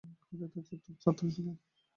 কাদের তাঁর ছাত্র ছিলেন।